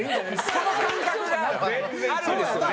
その感覚があるんですよね。